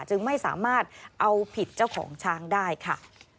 จึงไม่สามารถเอาผิดเจ้าของช้างได้ค่ะ